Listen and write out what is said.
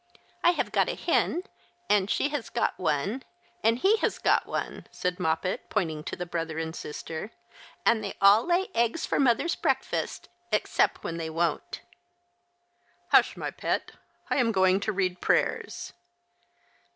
I have got a hen, and she has got one, and he has got one," said Moppet, pointing to the brother and sister, "and they all lay eggs for mother's breakfast, except when they won't." " Hush, my pet, I am going to read prayers."